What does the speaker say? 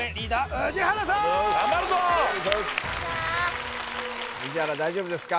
宇治原大丈夫ですか？